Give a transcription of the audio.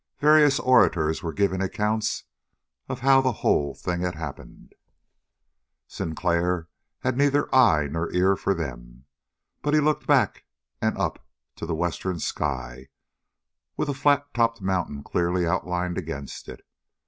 Various orators were giving accounts of how the whole thing had happened. Sinclair had neither eye nor ear for them. But he looked back and up to the western sky, with a flat topped mountain clearly outlined against it.